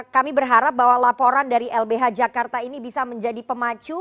kami berharap bahwa laporan dari lbh jakarta ini bisa menjadi pemacu